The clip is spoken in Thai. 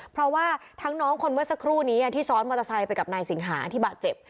เพราะว่าทั้งน้องคนเมื่อสักครู่นี้ที่ซ้อนมอเตอร์ไซค์ไปกับนายสิงหาที่บาดเจ็บ